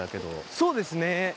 そうですね。